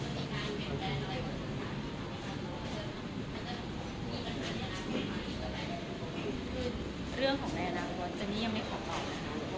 คือเรื่องของในอนาคตเจนนี่ยังไม่ขอบอกนะคะ